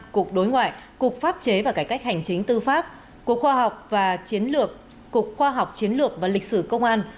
cục đối ngoại cục pháp chế và cải cách hành chính tư pháp cục khoa học chiến lược và lịch sử công an